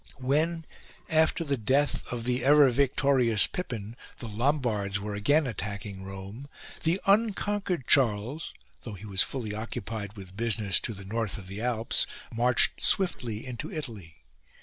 17. When after the death of the ever victorious Pippin the Lombards were again attacking Rome, the unconquered Charles, though he was fully occupied with business to the north of the Alps, marched swiftly into Italy.